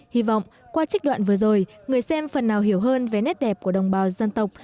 hy vọng qua trích đoạn vừa rồi người xem phần nào hiểu hơn về nét đẹp của đồng bào dân tộc